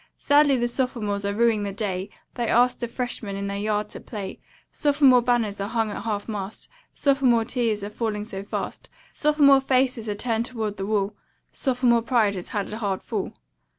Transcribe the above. Sadly the sophomores are rueing the day They asked the freshmen in their yard to play, Sophomore banners are hung at half mast, Sophomore tears they are falling so fast, Sophomore faces are turned toward the wall, Sophomore pride has had a hard fall.